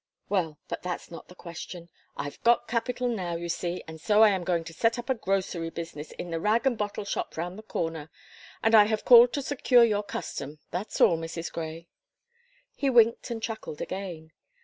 Well, but that's not the question I've got capital now, you see, and so I am going to set up a grocery business in the rag and bottle shop round the corner; and I hare called to secure your custom that's all, Mrs. Gray." He winked and chuckled again.